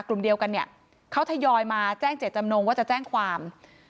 กลุ่มเดียวกันเนี่ยเขาทยอยมาแจ้งเจตจำนงว่าจะแจ้งความ